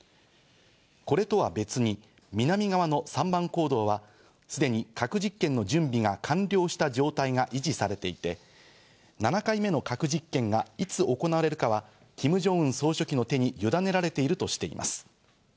これとは別に、南側の３番坑道は、すでに核実験の準備が完了した状態が維持されていて、７回目の核実験がいつ行われるかはキム・ジョンウン総書記の手にゆだねられているとしています。